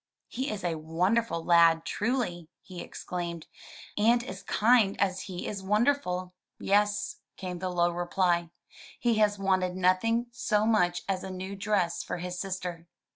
"He is a wonderful lad, truly, he exclaimed, "and as kind as he is wonderful!*' "Yes, came the low reply. "He has wanted nothing so much as a new dress for his sister.